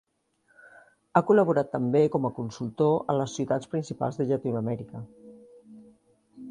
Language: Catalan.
Ha col·laborat també com a consultor a les ciutats principals de Llatinoamèrica.